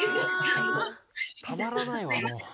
たまらないわもう。